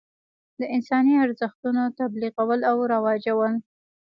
د انساني ارزښتونو تبلیغول او رواجول.